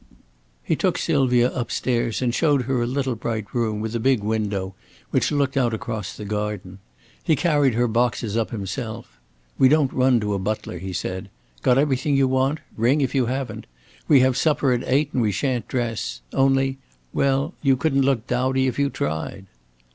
He took Sylvia up stairs and showed her a little bright room with a big window which looked out across the garden. He carried her boxes up himself. "We don't run to a butler," he said. "Got everything you want? Ring if you haven't. We have supper at eight and we shan't dress. Only well, you couldn't look dowdy if you tried."